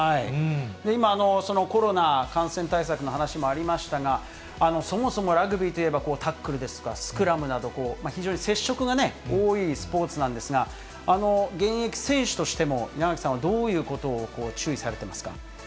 今、そのコロナ感染対策の話もありましたが、そもそもラグビーといえば、タックルですとか、スクラムなど、非常に接触が多いスポーツなんですが、現役選手としても、稲垣さんはどういうことを注意されてますか？